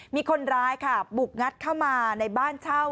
มีคนร้ายค่ะบุกงัดเข้ามาในบ้านเช่า